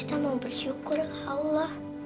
kita mau bersyukur ke allah